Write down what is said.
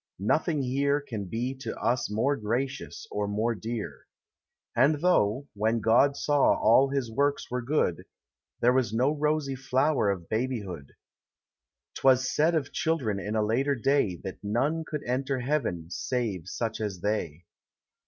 Nothing here Can be to us more gracious or more dear. And though, when God saw all his works were good, There was no rosy flower of babyhood, 'T was said of children in a later day That none could enter Heaven save such as they.